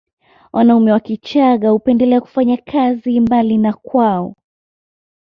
Wanaume wa Kichagga hupendelea kufanya kazi mbali na kwao